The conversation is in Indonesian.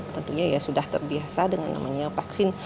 tentunya ya sudah terbiasa dengan namanya vaksin